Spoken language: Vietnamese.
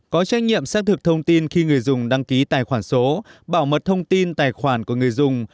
có trách nhiệm xác thực thông tin khi người dùng đăng ký tài khoản số bảo mật thông tin tài khoản của người dùng